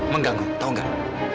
mengganggu tahu gak